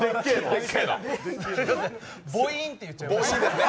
ボインって言っちゃいました。